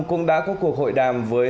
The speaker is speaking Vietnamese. cũng đã có cuộc hội đàm với